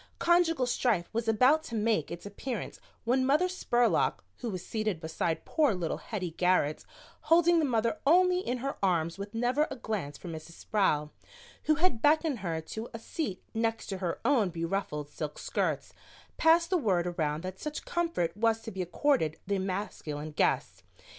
Conjugal strife was about to make its appearance when Mother Spurlock, who was seated beside poor little Hettie Garrett, holding the Mother Only in her arms with never a glance for Mrs. Sproul, who had beckoned her to a seat next to her own beruffled silk skirts, passed the word around that such comfort was to be accorded the masculine guests.